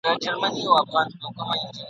وايی په ښار کي محتسب ګرځي !.